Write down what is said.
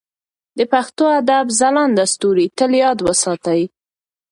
د پښتو ادب ځلانده ستوري تل یاد وساتئ.